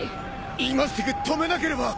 今すぐ止めなければ！